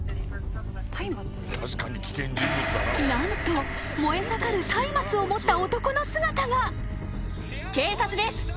［何と燃え盛るたいまつを持った男の姿が］